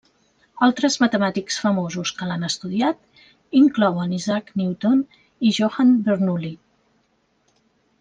Altres matemàtics famosos que l'han estudiat inclouen Isaac Newton i Johann Bernoulli.